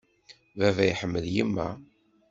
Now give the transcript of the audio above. Baba iḥemmel yemma.